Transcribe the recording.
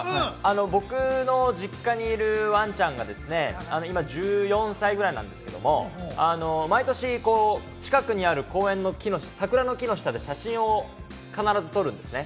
僕の実家にいるワンちゃんが今、１４歳ぐらいなんですけど、毎年近くにある公園の桜の木の下で写真を必ず撮るんです。